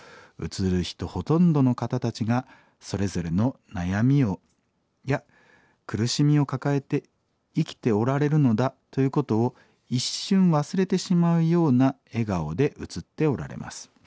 ほとんどの方たちがそれぞれの悩みや苦しみを抱えて生きておられるのだということを一瞬忘れてしまうような笑顔で映っておられます。